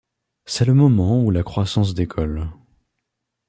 C'est le moment où la croissance décolle.